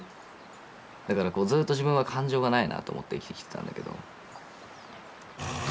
だからこうずっと自分は感情がないなと思って生きてきてたんだけど。